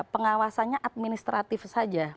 pengawasannya administratif saja